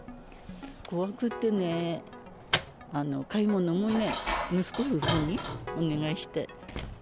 こわくてね、買い物もね、息子夫婦にお願いして。